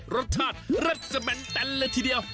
รสชาติเร็ดสะแม่นแต่ละทีเดียว